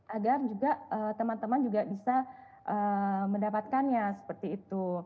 agar juga teman teman juga bisa mendapatkannya seperti itu